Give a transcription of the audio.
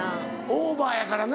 オーバーやからな。